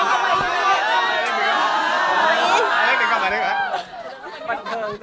อัลเมฆเด็กกลับมาด้วยคะ